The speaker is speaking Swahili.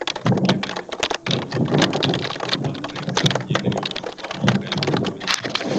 pia katika Mkutano wa Umoja wa Afrika mjini New York wa mwaka elfu moja